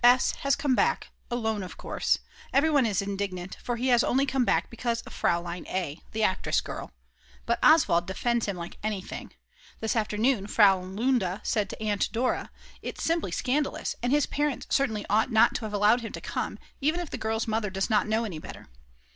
S. has come back, alone of course. Everyone is indignant, for he has only come back because of Fraulein A., the actress girl. But Oswald defends him like anything. This afternoon Frau Lunda said to Aunt Dora: "It's simply scandalous, and his parents certainly ought not to have allowed him to come, even if the girl's mother does not know any better."